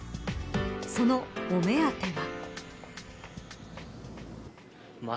そのお目当ては。